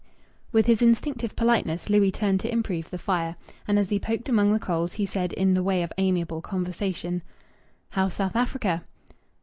With his instinctive politeness Louis turned to improve the fire. And as he poked among the coals he said, in the way of amiable conversation "How's South Africa?"